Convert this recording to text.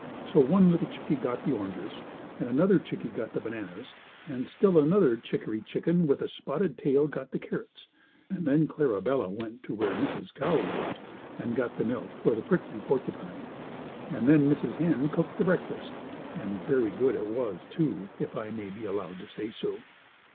So one little chickie got the oranges, and another chickie got the bananas, and still another chickery chicken, with a spotted tail, got the carrots, and then Clarabella went to where Mrs. Cow lived, and got the milk for the prickly porcupine. Then Mrs. Hen cooked the breakfast, and very good it was, too, if I may be allowed to say so.